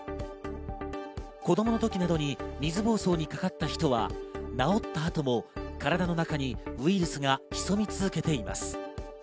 子供の時などに水ぼうそうにかかった人は治った後も体の中にウイルスが潜み続けています。